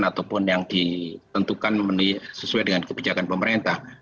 ataupun yang ditentukan sesuai dengan kebijakan pemerintah